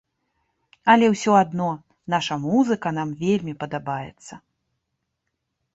Але ўсё адно наша музыка нам вельмі падабаецца.